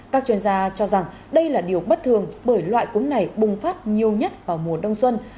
các chuyên gia cho rằng đây là điều bất thường bởi loại cúm này bùng phát nhiều nhất vào mùa đông xuân